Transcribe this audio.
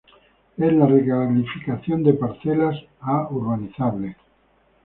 es la recalificación de parcelas a urbanizable